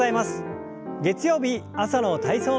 月曜日朝の体操の時間です。